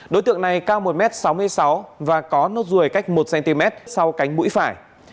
đối tượng này cao một m sáu mươi sáu và có nốt ruồi cách một cm sau cánh mũi phải